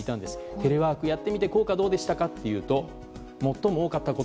テレワークやってみて効果どうでしたかと。